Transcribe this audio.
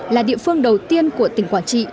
là địa phương đầu tiên của tỉnh quảng trị